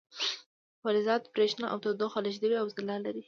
فلزات بریښنا او تودوخه لیږدوي او ځلا لري.